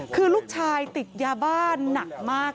คือลูกชายติดยาบ้านหนักมาก